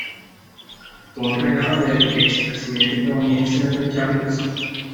Fue un regalo del expresidente estadounidense Richard Nixon.